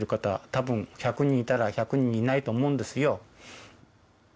たぶん１００人いたら１００人いないと思うんですよ。